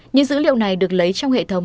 những dữ liệu này được lấy trong hệ thống